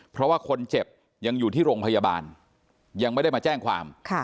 เพราะว่าคนเจ็บยังอยู่ที่โรงพยาบาลยังไม่ได้มาแจ้งความ